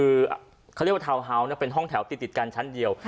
คือเขาเรียกว่าทาวน์ฮาส์เป็นห้องแถวติดกันชั้นเดียว